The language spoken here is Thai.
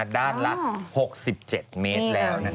ด้านลักษณ์๖๗เมตรแล้ว